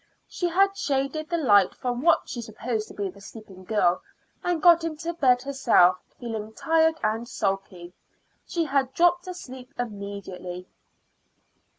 She had shaded the light from what she supposed to be the sleeping girl, and got into bed herself feeling tired and sulky. She had dropped asleep immediately.